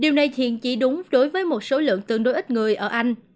điều này hiện chỉ đúng đối với một số lượng tương đối ít người ở anh